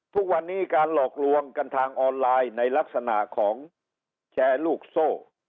ทุกวันนี้การหลอกลวงกันทางออนไลน์ในลักษณะของแชร์ลูกโซ่